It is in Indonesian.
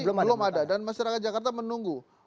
jadi belum ada dan masyarakat jakarta menunggu